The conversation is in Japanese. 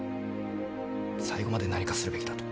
最後まで何かするべきだと。